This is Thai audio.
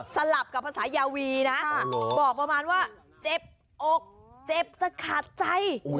สลับกับภาษายาวีนะบอกประมาณว่าเจ็บอกเจ็บจะขาดใจ